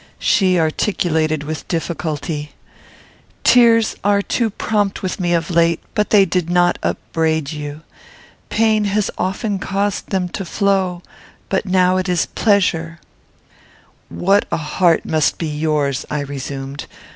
She articulated, with difficulty, "Tears are too prompt with me of late; but they did not upbraid you. Pain has often caused them to flow, but now it is pleasure." "What a heart must yours be!" I resumed.